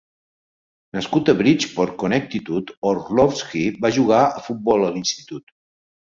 Nascut a Bridgeport, Connecticut, Orlovsky va jugar a futbol a l'institut.